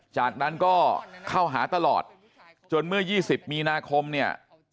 จากนั้นก็เข้าหาตลอดจนเมื่อ๒๐มีนาคมเนี่ย